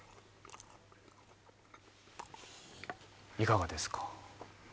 いかがですか？